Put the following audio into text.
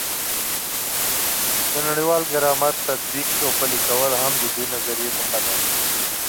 د نړیوال ګرامر تطبیق او پلي کول هم د دې نظریې موخه ده.